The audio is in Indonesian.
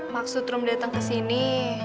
maksud room datang ke sini